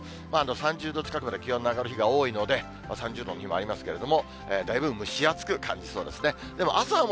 ３０度近くまで気温の上がる日が多いので、３０度の日もありますけど、だいぶ蒸し暑く感じそうですね。